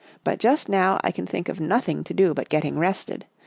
" But just now I can think of nothing to do but getting rested.